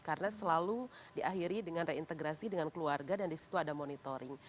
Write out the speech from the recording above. karena selalu diakhiri dengan reintegrasi dengan keluarga dan disitu ada monitoring